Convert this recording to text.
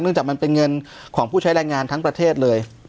จากมันเป็นเงินของผู้ใช้แรงงานทั้งประเทศเลย